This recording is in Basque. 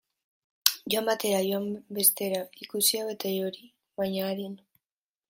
Joan batera, joan bestera, ikusi hau eta hori, baina arin.